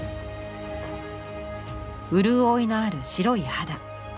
潤いのある白い肌。